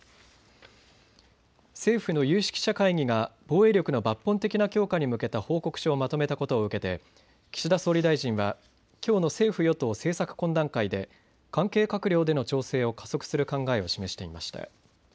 政府の有識者会議が防衛力の抜本的な強化に向けた報告書をまとめたことを受けて岸田総理大臣はきょうの政府与党政策懇談会で関係閣僚での調整を加速する考えを示していました。